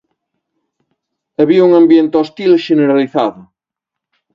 Había un ambiente hostil xeneralizado.